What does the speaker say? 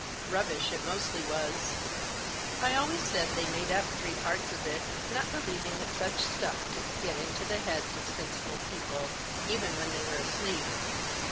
Rubbish it mostly was. I always said they made up three parts of it, not believ ing that such stuff could get into the heads of sensible people, even when they were asleep.